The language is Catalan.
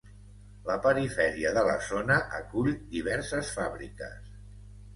La perifèria de la zona acull diverses fàbriques.